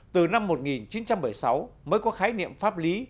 từ năm một nghìn chín trăm bảy mươi sáu mới có khái niệm pháp lý